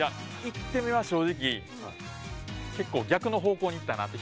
１手目は正直結構、逆の方向にいったなって。